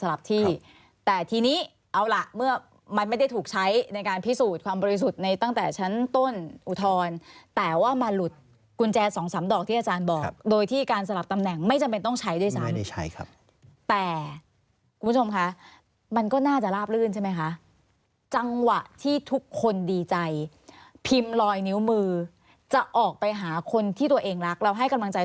สารฟังแค่วิถีกระสุนกับรอยฉีกขาดของเสื้อผ้าสารฟังแค่วิถีกระสุนกับรอยฉีกขาดของเสื้อผ้าสารฟังแค่วิถีกระสุนกับรอยฉีกขาดของเสื้อผ้าสารฟังแค่วิถีกระสุนกับรอยฉีกขาดของเสื้อผ้าสารฟังแค่วิถีกระสุนกับรอยฉีกขาดของเสื้อผ้าสารฟังแค่วิถีกระสุนกับรอยฉีก